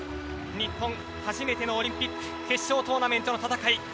日本初めてのオリンピック決勝トーナメントの戦い